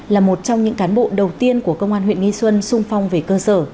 là một trong những cán bộ đầu tiên của công an huyện nghi xuân sung phong về cơ sở